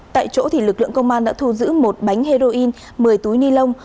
tại chỗ lực lượng công an đã thu giữ một bánh heroin một mươi túi ni lông